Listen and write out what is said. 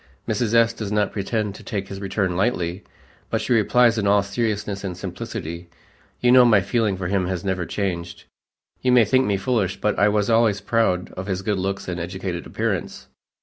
Mrs. S. does not pretend to take his return lightly, but she replies in all seriousness and simplicity, "You know my feeling for him has never changed. You may think me foolish, but I was always proud of his good looks and educated appearance.